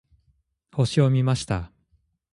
星を見ました。